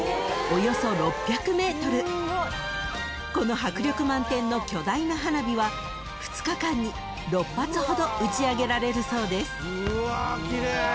［この迫力満点の巨大な花火は２日間に６発ほど打ち上げられるそうです］